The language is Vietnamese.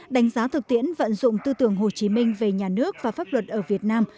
đánh giá thực tiễn vận dụng tư tưởng hồ chí minh về nhà nước và pháp luật ở việt nam